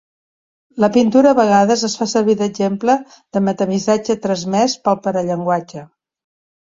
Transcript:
La pintura a vegades es fa servir d'exemple de metamissatge transmès pel parallenguatge.